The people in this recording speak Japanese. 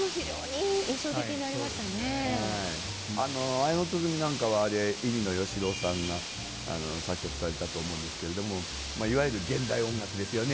「綾の鼓」なんかあれ入野義朗さんが作曲されたと思うんですけれどもいわゆる現代音楽ですよね。